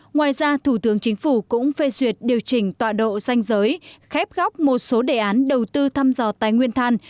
ngoài ra thủ tướng chính phủ cũng phê duyệt điều chỉnh tọa độ danh giới khép một số đề án đầu tư thăm dò tài nguyên than